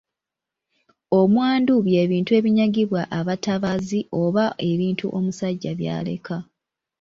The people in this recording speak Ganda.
Omwandu bye bintu ebinyagibwa abatabaazi oba ebintu omusajja by’aleka.